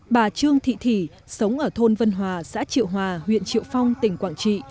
bà trương thị thủy sống ở thôn vân hòa xã triệu hòa huyện triệu phong tỉnh quảng trị